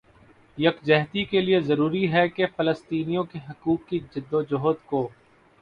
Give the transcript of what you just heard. یکجہتی کےلئے ضروری ہے کہ فلسطینیوں کے حقوق کی جدوجہد کو